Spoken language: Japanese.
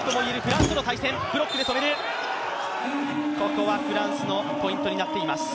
ここはフランスのポイントになっています。